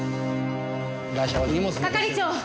係長！